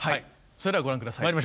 それではご覧下さい。